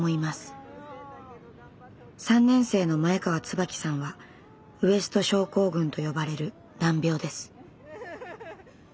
３年生の前川椿さんはウエスト症候群と呼ばれる難病です。